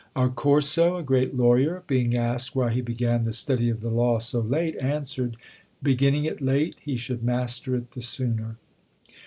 Accorso, a great lawyer, being asked why he began the study of the law so late, answered, beginning it late, he should master it the sooner.